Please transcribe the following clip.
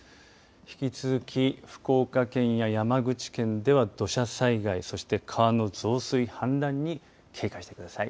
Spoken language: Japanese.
引き続き、福岡県や山口県では土砂災害、そして川の増水氾濫に警戒してください。